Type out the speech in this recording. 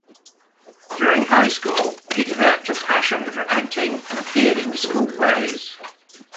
During high school, he developed a passion for acting and appeared in school plays.